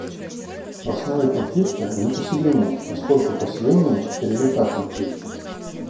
В основе конфликта — не поселения, поскольку поселения — это результат конфликта.